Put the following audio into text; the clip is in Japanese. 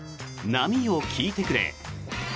「波よ聞いてくれ」。